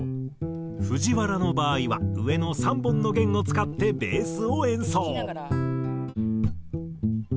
藤原の場合は上の３本の弦を使ってベースを演奏。